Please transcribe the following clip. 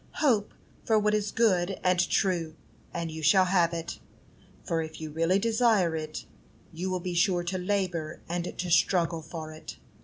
"Hope for what is good and true, and you shall have it; for if you really desire it, you will be sure to labor and to struggle for it."